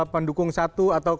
pendukung satu atau dua